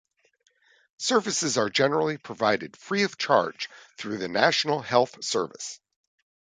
Services are generally provided free-of-charge through the National Health Service.